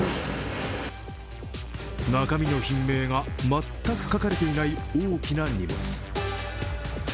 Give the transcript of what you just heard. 中身の品名が全く書かれていない大きな荷物。